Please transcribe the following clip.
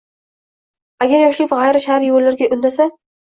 agar yoshlik g'ayri shar'iy yo'llarga undasa